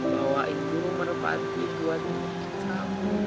bawain dulu merupakan kekuatanmu